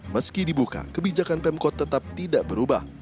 meski dibuka kebijakan pemkot tetap tidak berubah